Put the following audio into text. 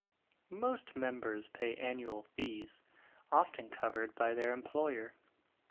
Most members pay annual fees, often covered by their employer.